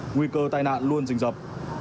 nguy cơ tai nạn luôn dình dập